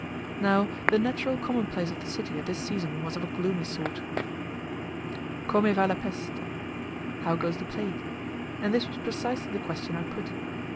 Now the natural commonplace of the city at this season was of a gloomy sort, "Come va la peste?" (how goes the plague?) and this was precisely the question I put.